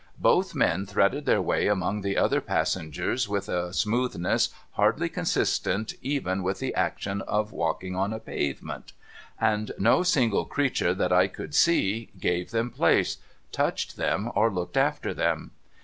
Both men threaded their way among the other passengers with a smoothness hardly consistent even with the action of walking on a pavement ; and no single creature, that I could see, gave them place, touched them, or looked after them.